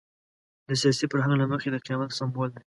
د سیاسي فرهنګ له مخې د قیامت سمبول دی.